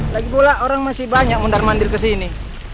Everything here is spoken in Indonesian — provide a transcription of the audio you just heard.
lagipula orang masih banyak mundar mandir ke sini